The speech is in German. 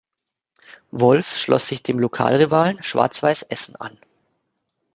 Wolf schloss sich dem Lokalrivalen Schwarz-Weiß Essen an.